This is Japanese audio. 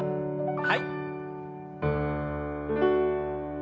はい。